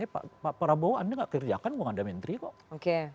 pak prabowo anda gak kerjakan gak ada menteri kok